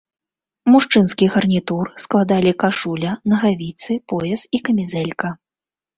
Мужчынскі гарнітур складалі кашуля, нагавіцы, пояс і камізэлька.